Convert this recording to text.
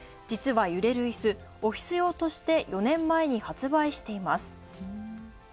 実は揺れるいす、オフィス用として４年前に発売しています。